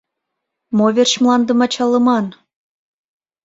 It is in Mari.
Мо верч мландым ачалыман?